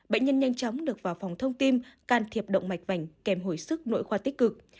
bệnh nhân nhanh chóng được vào phòng thông tin can thiệp động mạch vành kèm hồi sức nội khoa tích cực